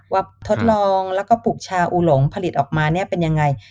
ทดลองแล้วก็ปลูกชาอูหลงผลิตออกมาเนี่ยเป็นยังไง